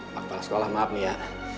pak pak sekolah maaf nih ya